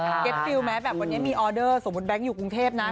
มีความรู้สึกว่าแบบวันนี้มีออเดอร์สมมุติแบงค์อยู่กรุงเทพนะ